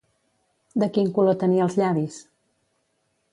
De quin color tenia els llavis?